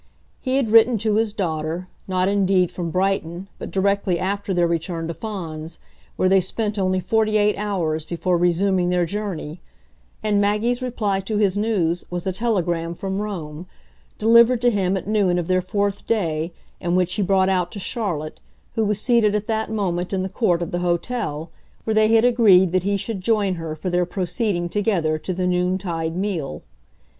He had written to his daughter, not indeed from Brighton, but directly after their return to Fawns, where they spent only forty eight hours before resuming their journey; and Maggie's reply to his news was a telegram from Rome, delivered to him at noon of their fourth day and which he brought out to Charlotte, who was seated at that moment in the court of the hotel, where they had agreed that he should join her for their proceeding together to the noontide meal.